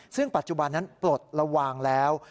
ซึ่งปัจจุบันนั้นปลดระวางแล้ว